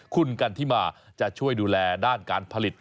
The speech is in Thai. คุณกันทิมาจะช่วยดูแลด้านการผลิต